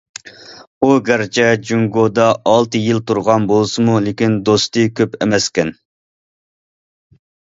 ئۇ گەرچە جۇڭگودا ئالتە يىل تۇرغان بولسىمۇ، لېكىن دوستى كۆپ ئەمەسكەن.